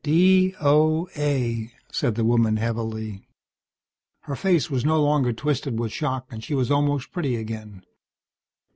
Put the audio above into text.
"D.O.A.," said the woman heavily. Her face was no longer twisted with shock, and she was almost pretty again.